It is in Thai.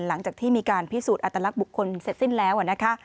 หลังจากที่มีการพิสูจน์อัตลักษณ์บุคคลเสร็จสิ้นแล้วนะคะ